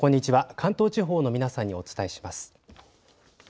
関東地方の皆さんにお伝えします。